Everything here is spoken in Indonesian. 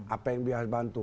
apa yang biasa bantu